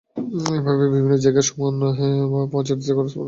এভাবে বিভিন্ন জায়গায় সমন পৌঁছে দিতে খরচ পড়ে মাসে আট-নয় হাজার টাকা।